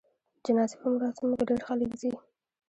د جنازې په مراسمو کې ډېر خلک ځي.